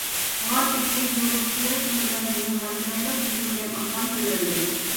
غار ئىچى يورۇپ، قۇياش نۇرىدا يۇيۇلغان چىرايلىق سۈزۈلگەن ئاسمان كۆرۈندى.